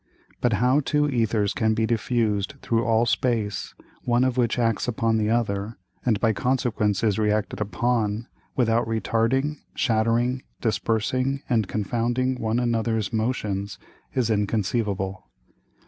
But how two Æthers can be diffused through all Space, one of which acts upon the other, and by consequence is re acted upon, without retarding, shattering, dispersing and confounding one anothers Motions, is inconceivable.